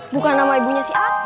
bukan nama ibunya si atu